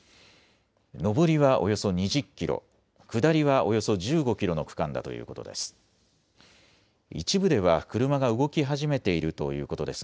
上りはおよそ２０キロ、下りはおよそ１５キロの区間だということです。